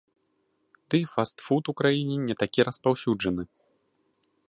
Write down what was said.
Дый фаст-фуд у краіне не такі распаўсюджаны.